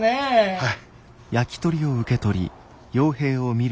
はい。